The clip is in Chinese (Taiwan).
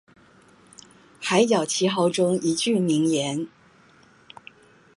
海角七號中一句名言